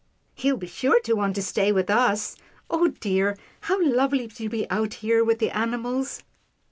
" He'll be sure to want to stay with us — Oh dear! how lovely to be out here with the animals."